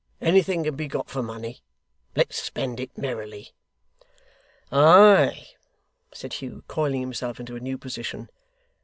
Anything can be got for money. Let's spend it merrily.' 'Ay,' said Hugh, coiling himself into a new position.